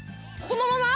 このまま？